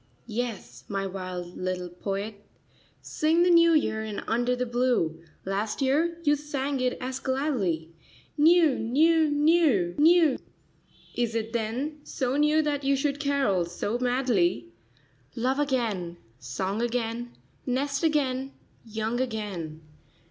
Yes, my wild little poet. Sing the new year in under the blue. Last year you sang it as gladly. "New, new, new, new /" Is it then so new That you should carol so madly? " Love. again, song again, nest again, young again!'